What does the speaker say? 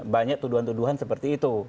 banyak tuduhan tuduhan seperti itu